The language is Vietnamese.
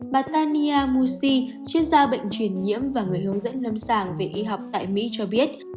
bà tania mushi chuyên gia bệnh truyền nhiễm và người hướng dẫn lâm sàng về y học tại mỹ cho biết